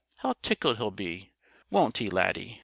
How tickled he'll be! Won't he, Laddie?"